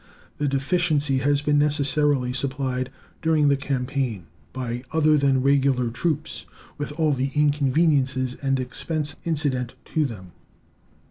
The deficiency has been necessarily supplied during the campaign by other than regular troops, with all the inconveniences and expense incident to them.